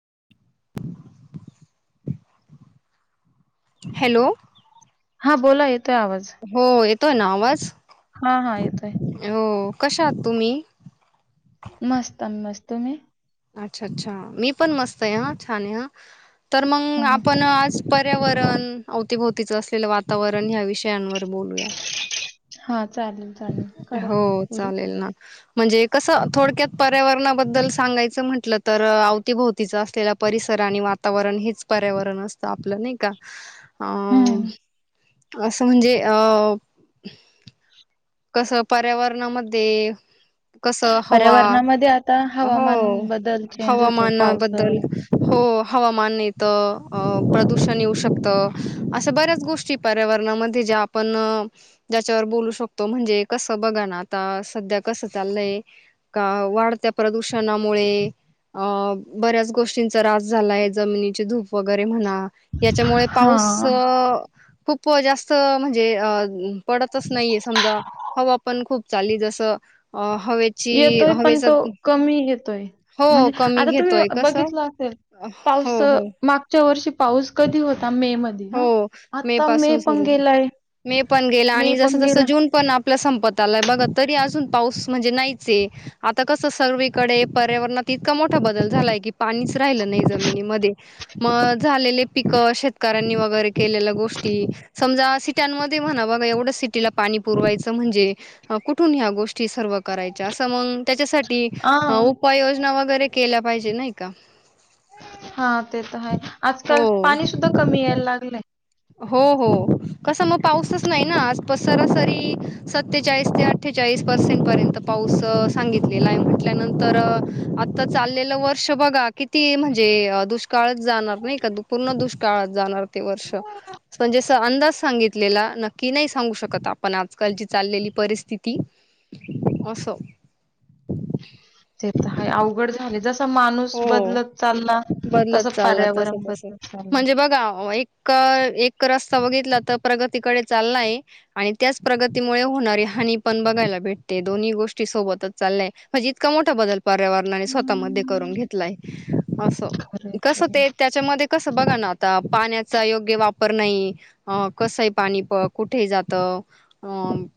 [inaudible] Hello. हा बोला, येतोय आवाज. येतो ना आवाज? हा-हा येतोय. कशात तुम्ही? मस्त. आमी मस्त. तुम्ही? अच्छा-अच्छा मी पण मस्त आहे, हा छान आहे. ह तर मग हां, हां. आपण आज पर्यावरण, अवतीभोवतीचं असलेलं वातावरण, ह्या विषयांवर बोलूया. हा.. हो, चालेल ना. म्हणजे कसं, थोडक्यात पर्यावरणाबद्दल सांगायचं म्हटलं, तर अवतीभोवतीचा असलेला परिसर आणि वातावरण हेच पर्यावरण असत. आपलं नाही का? अं हं. असं म्हणजे अ कसं पर्यावरणामध्ये कस हवा, पर्यावरणामध्ये आता हवामान हो बदल चेंज होतो हवामानाबद्दल, पावसाळा हो. हवामान येत, प्रदूषण येऊ शकतं, अशा बऱ्याच गोष्टी पर्यावरणामध्ये जे आपण, ज्याच्यावर बोलू शकतो. तो म्हणजे कसं, बघा ना आता, सध्या कसं चाललंय, का वाढत्या प्रदूषणामुळे बऱ्याच गोष्टींचा रास झालाय जमिनीची धूप वगैरे म्हणा याच्यामुळे पाऊस अ हां, खूप जास्त अ म्हणजे अ पडतच नाहीे. चाली जस अ हवेची येतोय, पण तो हवेचा कमी येतोय. हो म्हणजे कमी आता तुम्ही घेतोय कसं बघितलं असेल, पाऊस हो, हो, मागच्या वर्षी पाऊस कधी होता? मे मध्ये हा. हो आता मे पासून पण सुरू गेलाय मे पण गेला मे आणि पण जस-जस, गेला. जून पण आपल्या संपत आला, बघा तरी अजून पाऊस म्हणजे नाहीचये. आता कस सरवीकडे पर्यावरणात इतका मोठा बदल झालाय, की पाणीच राहिलं नाही, जमिनीमध्ये. झालेले पिक, शेत करनी वगैरे केलेल्या गोष्टी, समजा सिट्यानमध्ये म्हणा एवढं सिटीला पाणी पुरवायचं म्हणजे कुठून ह्या गोष्टी सर्व करायच अस मग त्याच्यासाठी हां, उपाय योजना वगैरे केल्या पाहिजे नाई का. हा ते तर हाय, आजकाल हो पाणी सुद्धा कमी यायला लागलंय. हो, हो कसं म पाऊसच नाइ ना आज सरासरी सत्तेचाळीस ते अठ्ठेचाळीस पर्सेंट पर्यंत पाऊस सांगितलेलाय म्हंटली त्यानंतर आता चाललेल वर्ष बघा किती म्हणजे दुष्काळ काळच जाणार नाइ का पूर्ण दुष्काळात जाणार ते वर्ष. म्हणजे अंदाज सांगितलेला, नक्की नाइ सांगू शकत आपण आजकालची चाललेली परिस्थिती. अस ते तर हाय, अवघड झालंय जस माणूस हो बदलत चालला. बदलत तसं चालला तस, पर्यावरण तस बदलत चाललं म्हणजे बघा एक्क एक रस बगितला तर प्रगतीकडे चाललाय आणि त्याच प्रगतीमुळे होणारी हानी पण बघायला भेटत दोन्ही गोष्टी सोबतच चाल्लय म्हणजे इतका मोठा बदल पर्यावरणाने स्वता मदे करून घेतलाय अस खरंय कस खरंय. ते त्याच्यामध्ये कस बगा ना आता पाण्याचा योग्य वापर नाई अ कसंए पाणी प कुठे जातं? अ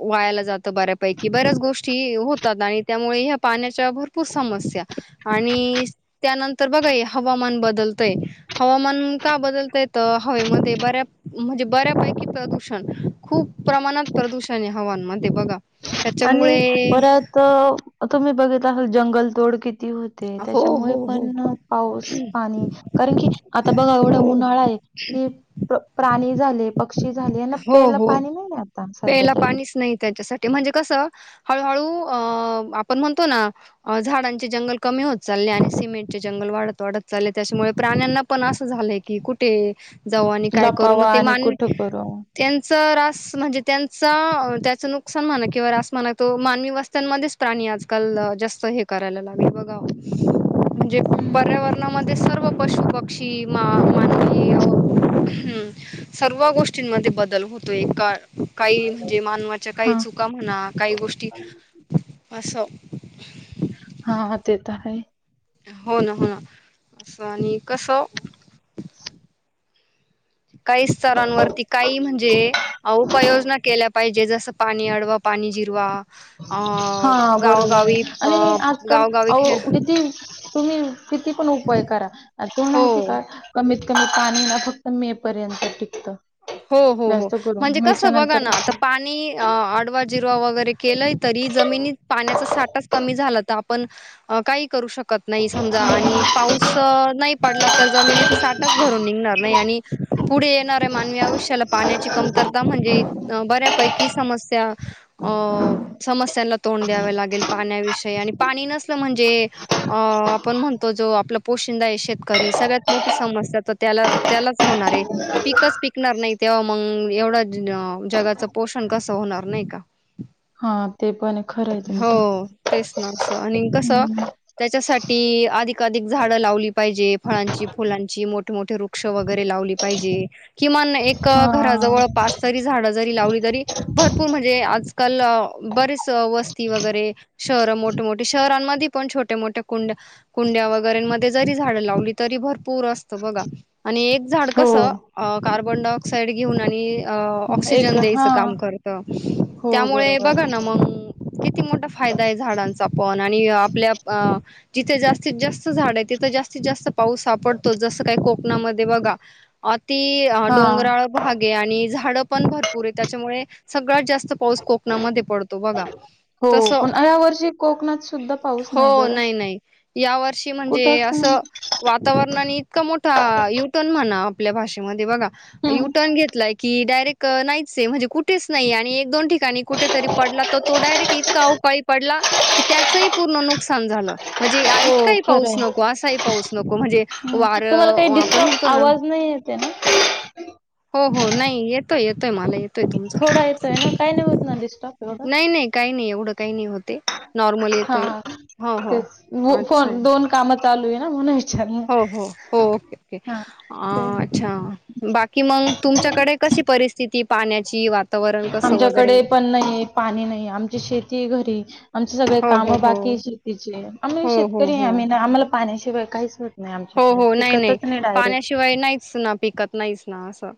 वायाला जातं बऱ्यापैकी बऱ्याच गोष्टी होतात आणि त्यामुळे ह्या पाण्याच्या भर पूर समस्या आणि त्यानंतर बगाए हवामान बदलतय हवामान का बदलतय त हवेमध्ये बऱ्या म्हणजे बऱ्यापैकी प्रदूषण खूप प्रमाणात प्रदूषणये हवांनमध्ये बगा. आणि परत तुमी बघितल असल जंगल तोड कि होतेय हो तेच्यामुळे हो हो पण पाऊस पाणी कारण की आता बगा एवडा हो उन्हाळाए ह प प्राणी झाले प क्षी झाले यांना हो प्यालं हो पाणी नाईए आता सध्या तरी. कस हळूहळू अ आपण म्हणतो ना झाडांचे जंगल कमी होत चाल्ले आणि सिमेंट चे जंगल वाडत वाडत चाल्ले तेच्यामुळे प्राण्यांना पण असं झालंय की कुटे जाऊ आणि काय करू म लपावा ते आणि मान कुठं करू त्यांच रास म्हणजे त्यांचा त्याच नुकसान म्हणा किंवा रास म्हणा तो मानवी वस्त्यांमदेच प्राणी आजकाल जास्त हे करायला लागले बगा. म्हणजे हम्म. पर्यावरणामध्ये सर्व पशु पक्षी मा मानवी अ हम सर्व गोष्टींमदे बदल होतोय का काई म्हणजे मानवाच्या काई हा चुका म्हणा काही गोष्टी आस हा ते तर हाय. हो ना, हो ना असं आणि कस काई स्तरांवरती काई म्हणजे अ उपाययोजना केल्या पाईजे जसं पाणी अडवा पाणी जिरवा अ हा गावोगावी अ प गावोगावी खे कुडीदी तुमी किती पण उपाय करा तुमाला माहिती हो का कमी पाणीए ना फक्त मे पर्यंत टिकत. हो, हो, हो जास्त करून म्हणजे कस मेच्या बगा नंतर ना आता पाणी अ आडवा जिरवा वगैरे केलंय तरी, जमिनीत पाण्याच सा टाच कमी झाला त आपण काई करू शक कत नई समजा आणि पाऊस अ नइ पडला तर जमिनीचा साटाचभरून निगणार नइ आणि पुढे येणार्या मानवी आव्युष्याला पाण्याची कमतरता म्हणजे त बऱ्यापैकी समस्या त्या अ समस्यांना तोंड द्याव लागेल पाण्याविषयी आणि पाणी नसलं म्हणजे अ आपण म्हणतो जो आपला पोशिंदाए शेतकरी सगळ्यात मोटी समस्या त त्यालाअ त्याला होणारये, पिकच पिकणार नाई तेवा मंग एवढा ज् जगाचं पोषण कसं होणार नइ का. हा ते पण ए खरये हो तेच ना असं आणि कसं हम्म त्याच्यासाठी अधिकाधिक झाडं लावली पाईजे. फळांची फुलांची मोठे मोठे वृक्ष वगैरे लावली पाईजे किमान नाय एक हा घराजवळ पाच तरी झाड लावली तरी भरपूर म्हणजे आजकाल बरेच वस्ती वगेरे शहर मोठ ठे मोठे शहरांमधी पण छोटे मोट्या कुंड्या कुंड्या वगैरेमधे जरी झाड लावली तरी भरपूर सत बगा आणि एक झाड हो कस अ कार्बन डायक्साइड घेऊन आणि अ एक ऑक्सिजन हा द्यायचं काम करत हो त्यामुळे बरोबर बगा ना मंग किती मोटा फायदाये झाडांचा पण आणि आपल्याप अ जिते जास्तीत जास्त झाडयेत तिथ जास्तीत जास्त पाऊस हा पडतोच जसं काय कोकणामध्ये बघा अ ती अ हा डोंगराळ भाग ये आणि झाड पण भरपूर ये त्याच्यामुळे सगळ्यात जास्त पाऊस कोक ना मध्ये पडतो बघा हो तस पण या वर्षी कोकणात सुद्धा पाऊस हो बरं नाही नाही या वर्षी म्हणजे कुठंच नाही असं- वातावरणानी आणि इतका मोठा यूटर्न म्हणा- मध्ये बघा हम्म यूटर्न घेतलाय, की डायरेक्ट नाहीचेय म्हणजे कुठेच नाही आणि एक दोन ठिकाणी कु- कुठतरी पडला तर तो डायरेक्ट इतका अवकाळी पडला की त्याचही पूर्ण नुकसान झालं. म्हणजे आं हो इतकाही खरं पाऊस आहे नको असाही पाऊस नको म्हणजे हम्म तुम्हाला काही वारं आपण डिस्टर्ब म्हणतो नां आवाज नाही येते ना हो हो नाई येतोय येतोय मला ये थोडा येतोय नां काही नाय होत म्हंणलीस नाई नाई काही नाई एवढं काही नाई होतय नॉर्मल येतोय हा हो हो अच्छा - चालुये ना म्हणून विचारलं हो हो हो ओके ओके हा ते आं अच्छा बाकी मगं तुमच्याकडे कशी परिस्थिती पाण्याची वातावरण कसं वगैरे आमच्याकडे पण नाहीये पाणी नाही आमची शेतीय पण ती - आमचे सगळे हो काम हो हो बाकी शेतीचे आम्ही हो हो शेतकरी आहे. हो आम्ही ना आम्हाला पाण्याशिवाय काहीच - हो हो नाही नाही पाण्याशिवाय नाहींच ना पिकत नाहींच. नां असं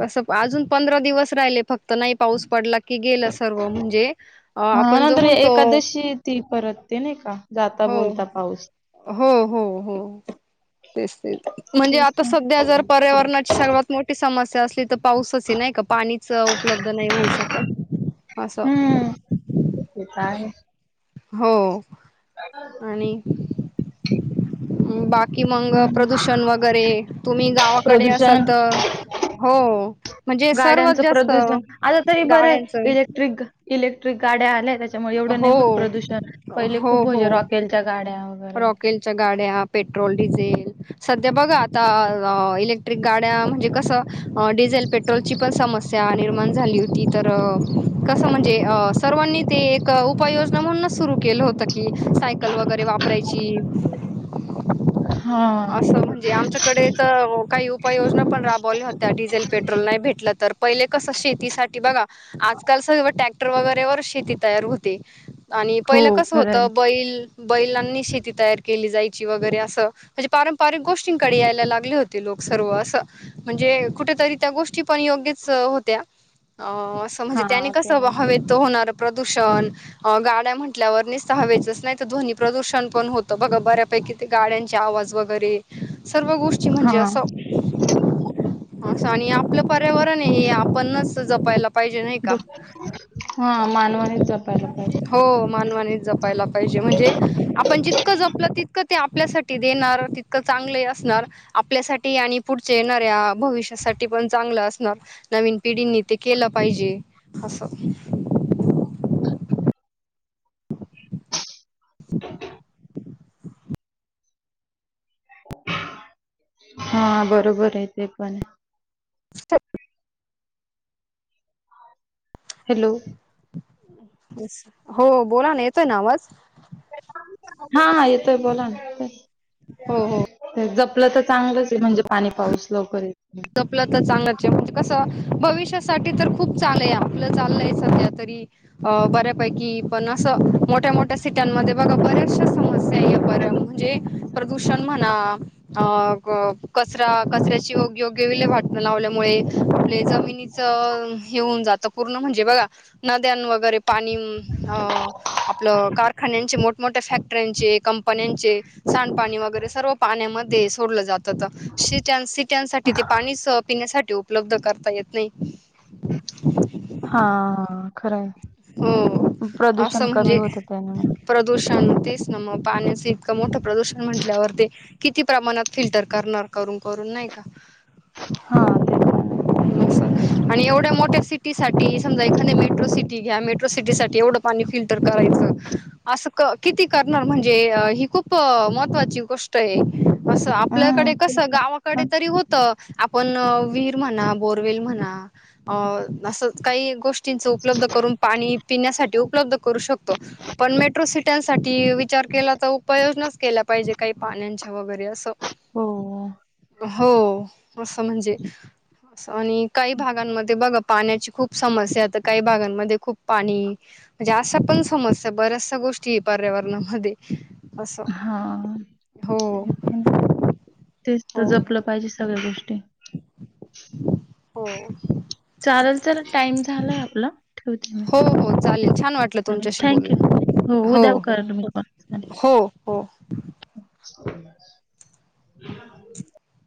कस अजून पंधरा दिवस राहिलेत. फक्त नाही पाऊस पडला की गेलं सर्व म्हणजे अं आपण जो म्हणतो तर ते नाही का जाता हो बोलता पाऊस हो हो हो तेच तेच म्हणजे तेच आता ना सध्या जर पर्यावरणाची सर्वात मोठी समस्या असली त पाऊसचेय नाही का पाणीच उपलब्ध नाही होऊ शकत असं हे काय हे- हों आणि बाकी मगं प्रदूषण वगैरे तुम्ही गावाकडे असाल त गाड्यांच प्रदूषण आता तरी बरंय गाड्यांचं इलेक्ट्रिक इले क्ट्रिक गाड्या आल्याय त्याच्यामुळे एवढं नाई हो होत प्रदूषण पहिले खूप होयच रॉकेलच्या गाड्यां रॉकेल च्या गा गाड्या पेट्रोल, डिझेल, सध्या बघा आता आं इलेक्ट्रिक गाड्या म्हंणजे कसं- अ डिझेल, पेट्रोलची पण समस्या निर्माण झाली होती तर कसं म्हणजे सर्व आणि ते एक उपाय योजना म्हणुनच सुरू केलं होत की सायकल वगैरे वा परायची हां. असं म्हणजे आमच्याकडे तर अ काही उपाययोजना पण राबवल्या होत्या डिझेल पेट्रोल नाय भेटलं तर पहिले कसं शेतीसाठी बघा आजकाल सर्व टॅक्त टर वगैरे वरच शेती तयार होते. आणि हो पहिलं कसं खरं आहे. होतं बैल बैलांनी शेती तयार केली जायची वगैरे असं म्हणजे पारंपरिक गोष्टींनकडे यायला लागले होते लोक सर्व असं म्हणजें कुठेतरी, त्या गोष्टी पण योग्यच होत्या. आं, असं म्हणजे त्यांनी हां ते कसं, आहे. हवे तो होणार- प्रदूषण, गाड्या म्हंटल्यावर निस्त हवेच नाही तर, ध्वनी प्रदूषण पण होतं बघा बऱ्यापैकी- किती गाड्यांचे आवाज, वगैरे सर्व गोष्टी म्हणजे हां. असं- असं आणि आपलं पर्यावरण हे आपणच जपायला- पाहिजे नाही का? [inaudible] हा मानवानीच जपायला- पाहिजे. हों मानवानेच जपायला पाहिजे, म्हणजे आपण जितकं जपलं तितकं- ते आपल्यासाठी देणार, तितकं चांगलेही असणार, आपल्यासाठी आणि पुढचे येणाऱ्या- भविष्यासाठी, पण चांगलं अस- नार नवीन पिढींनी ते केलं पाहिजे. असं- हां बरोबर आहे. ते पण. स [unintelligible] हॅलो. हो बोला ना, येतोय ना आवाज? हा हा येतोय. बोला ना. हो हो जप जपलं तर चांगलंच आहे, म्हणजे पाणी पाऊस लवकर होईल जपलं तर चांगलच, म्हणजे कसं, भविष्यासाठी तर खूप चाल आहे, आपलं चाललंय सध्या, तरी अ बऱ्यापैकी पण अस मोठ्या मोठ्या सिट्यांमध्ये बघा, बऱ्याचशा समस्या या म्हणजे प्रदूषण म्हणा अ अ कचरा कचऱ्याची ऊ योग्य वीले -वाट न लावल्यामुळे आपले जमिनीच हे होऊन जात पूर्ण म्हणजे बघा उद्यान वगैरे, पाणी अ आपलं कारखान्यांचे मोठमोठे फक रांचें कंपन्यांचे सांडपाणी, वगैरे सर्व पाण्यामध्ये सोडलं जात. सीटया, सिटयांसाठी पिण्यासाठी उपलब्ध करता येत नाही. हा खरं आहे. हो प्रदूषण असं कमी म्हणजे होतं त्याने. प्रदूषण तेच ना, मग पाण्याचं इतकं मोठं प्रदूषण म्हटल्यावर ते किती प्रमाणात फिल्टर करणार, करून -करून नाही का? हा. ते पण आहे. असं आणि एवढ्या मोठ्या सिटी साठी समजा एखाद्या मेट्रो सिटी घ मेट्रो सिटी साठी एवढ पाणी फिल्टर करायचं अस क किती करणार? म्हणजे अ खूप महत्त्वाची गोष्ट आहे, असं हम्म आपल्याकडे तेच कसं गावाकडे ना. तरी होतं. आपण विहीर म्हणा, बोरवेल, म्हणा असच काही गोष्ट चेज उपलब्ध आणि पिण्यासाठी उपलब्ध करू शकतो. पण मेट्रो सिट्यान साठी विचार केला तर उपायोजना केला पाहिजे, काही पाण्यांच्या वगैरे. असं ह. हो असं म्हणजे, अस आणि काही भागांमध्ये बघा पाण्याची खूप समस्या हाय, काही भागांमध्ये खूप पाणी. म्हणजे अशा पण समस्या, बऱ्याचशा गोष्टी आहे पर्यावरणामध्ये. असं हा हो पण. तेच तर हो जपलं हो पाहिजे, सगळ्या गोष्टी. हो चालेल तर टाईम झालाय आपला. ठेवते मी. हो हो चालेल. छान वाटलं चालेल तुमच्याशी थँक्यू. बोलून हो उद्या हो करेल मी कॉल. चालेल. हो हो. [inaudible]